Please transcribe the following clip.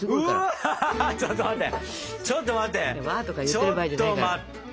ちょっと待って。